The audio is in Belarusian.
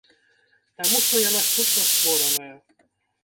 Таму што яна штучна створаная.